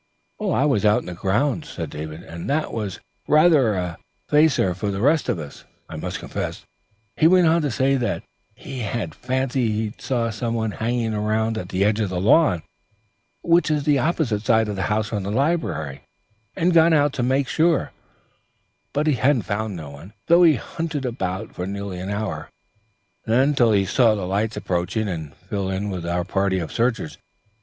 'I was out in the grounds,' said David, and that was rather a facer for the rest of us, I must confess. He went on to say that he had fancied he saw some one hanging about at the edge of the lawn which is the opposite side of the house from the library and gone out to make sure, but he had found no one, though he hunted about for nearly an hour, till he saw lights approaching and fell in with our party of searchers.